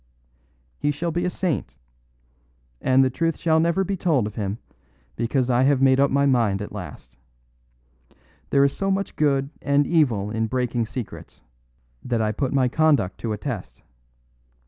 He shall be a saint; and the truth shall never be told of him, because I have made up my mind at last. There is so much good and evil in breaking secrets, that I put my conduct to a test.